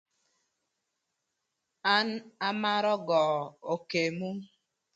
An amarö göö okemu.